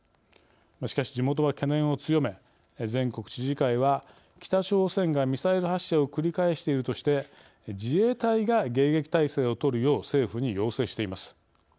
しかし、地元は懸念を強め全国知事会は北朝鮮がミサイル発射を繰り返しているとして自衛隊が迎撃態勢をとるよう政府に要請しています。